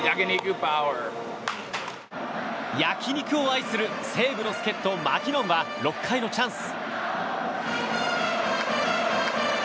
焼き肉を愛する西武の助っ人、マキノンは６回のチャンス。